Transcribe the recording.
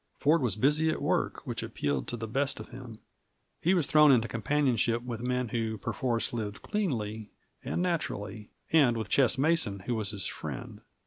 Ford was busy at work which appealed to the best of him. He was thrown into companionship with men who perforce lived cleanly and naturally, and with Ches Mason, who was his friend.